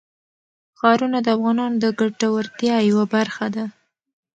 ښارونه د افغانانو د ګټورتیا یوه برخه ده.